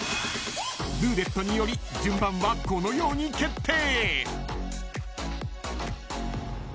［ルーレットにより順番はこのように決定］